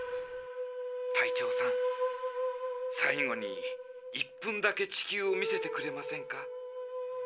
隊長さん最後に１分だけ地球を見せてくれませんか？